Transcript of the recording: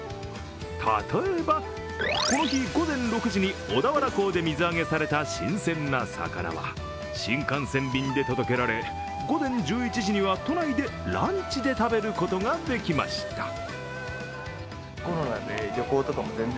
例えば、この日午前６時に小田原港で水揚げされた新鮮な魚は新幹線便で届けられ午前１１時には都内でランチで食べることができました。